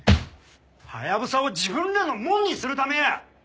ハヤブサを自分らのもんにするためや！